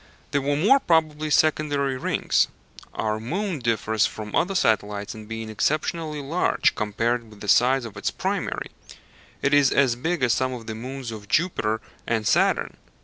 They were more probably secondary rings. Our moon differs from other satellites in being exceptionally large compared with the size of its primary; it is as big as some of the moons of Jupiter and Saturn.